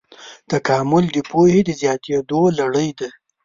تکامل د پوهې د زیاتېدو لړۍ ده.